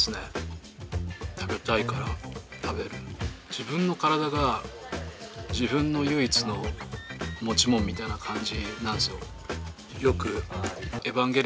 自分の体が自分の唯一の持ちものみたいな感じなんですよ。